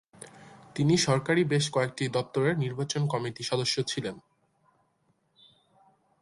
তিনি সরকারি বেশ কয়েকটি দফতরের নির্বাচন কমিটি সদস্য ছিলেন।